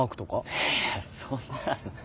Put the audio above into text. いやそんなの。